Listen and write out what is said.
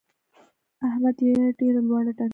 احمد يې ډېره لوړه ډنګوي.